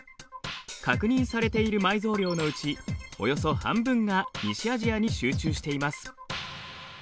確認されている埋蔵量のうちおよそ半分が西アジアに集中しています。